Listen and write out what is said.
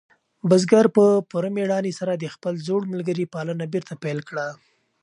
بزګر په پوره مېړانې سره د خپل زوړ ملګري پالنه بېرته پیل کړه.